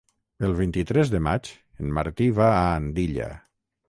El vint-i-tres de maig en Martí va a Andilla.